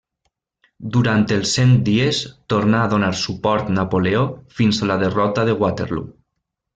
Durant els Cent Dies tornà a donar suport Napoleó fins a la derrota de Waterloo.